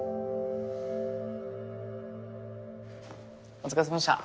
お疲れさまでした。